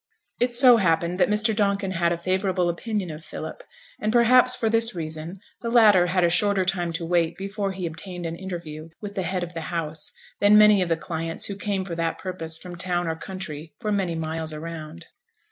It so happened that Mr. Donkin had a favourable opinion of Philip; and perhaps for this reason the latter had a shorter time to wait before he obtained an interview with the head of the house, than many of the clients who came for that purpose from town or country for many miles round.